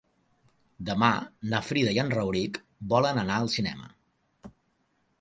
Demà na Frida i en Rauric volen anar al cinema.